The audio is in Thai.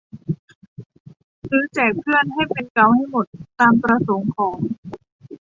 ซื้อแจกเพื่อน ให้เป็นเก๊าท์ให้หมด ตามประสงค์ของ